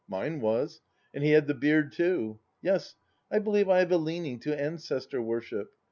Mine was. And he had the beard, too. Yes, I believe I have a leaning to ancestor worship.